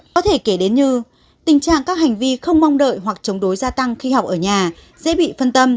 có thể kể đến như tình trạng các hành vi không mong đợi hoặc chống đối gia tăng khi học ở nhà dễ bị phân tâm